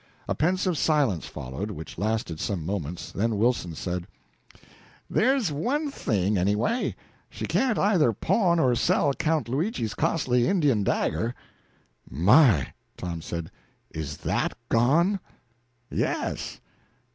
A pensive silence followed, which lasted some moments, then Wilson said "There's one good thing, anyway. She can't either pawn or sell Count Luigi's costly Indian dagger." "My!" said Tom, "is that gone?" "Yes."